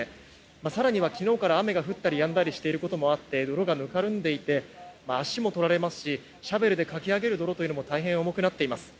更には昨日から雨が降ったりやんだりしていることもあって泥がぬかるんでいて足も取られますしシャベルでかき上げる泥も大変重くなっています。